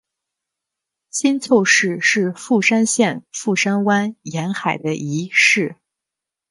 新凑市是富山县富山湾沿岸的一市。